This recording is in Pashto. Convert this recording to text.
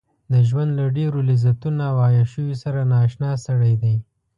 د ژوند له ډېرو لذتونو او عياشيو سره نااشنا سړی دی.